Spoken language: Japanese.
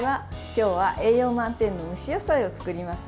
今日は栄養満点の蒸し野菜を作ります。